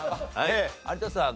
有田さん